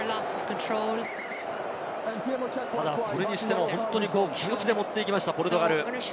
ただそれにしても本当に気持ちで持っていきました、ポルトガル。